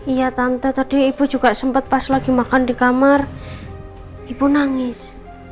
iya tante tadi ibu juga sempat pas lagi makan di kamar ibu nangis